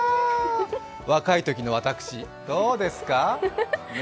若いときの私、どうですか？